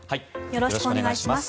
よろしくお願いします。